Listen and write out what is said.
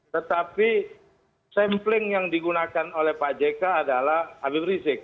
tetapi sampling yang digunakan oleh pak jk adalah habib rizik